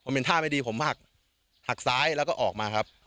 เป็นท่าไม่ดีผมหักหักซ้ายแล้วก็ออกมาครับ